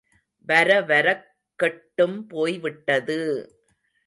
வரவரக் கெட்டும் போய்விட்டது!